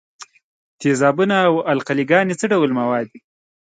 تیزابونه او القلې ګانې څه ډول مواد دي؟